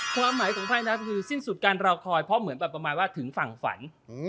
ความหมายของไพ่นะคือสิ้นสุดการรอคอยเพราะเหมือนแบบประมาณว่าถึงฝั่งฝัน